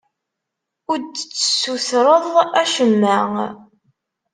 Ur d-tessutreḍ acemma.